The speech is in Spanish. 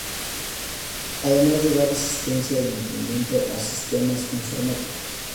Además de dar asistencia y mantenimiento a sistema informáticos.